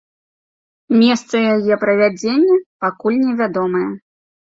Месца яе правядзення пакуль невядомае.